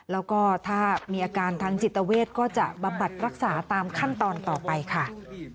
แล้วก็ถ้ามีอาการทางจิตเวทก็จะบำบัดรักษาตามขั้นตอนต่อไปค่ะ